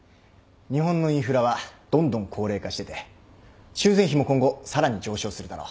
日本のインフラはどんどん高齢化してて修繕費も今後さらに上昇するだろう。